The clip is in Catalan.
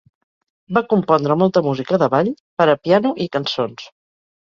Va compondre molta música de ball, per a piano i cançons.